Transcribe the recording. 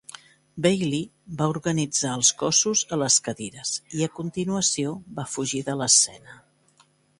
Bailey va organitzar els cossos a les cadires i, a continuació, va fugir de l'escena.